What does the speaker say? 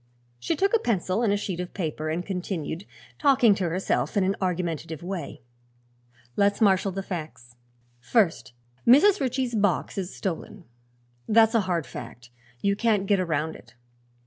She took a pencil and sheet of paper and continued, talking to herself in an argumentative way: "Let's marshal the facts. First, Mrs. Ritchie's box is stolen. That's a hard fact; you can't get around it.